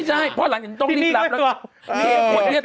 ไม่ใช่เพราะหลังจากนี้ต้องรีบรับ